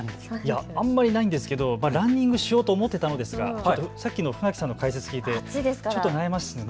あんまりないんですけれどランニングしようと思っていたんですが、さっきの船木さんの解説でちょっと悩みますね。